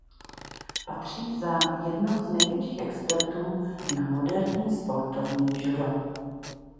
Patří za jednoho z největších expertů na moderní sportovní judo.